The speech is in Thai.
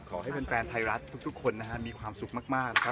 ขอให้เป็นแฟนไทยรัฐทุกคนมีความสุขมาก